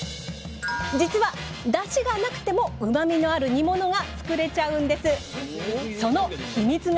⁉実はダシがなくてもうまみのある煮物が作れちゃうんです。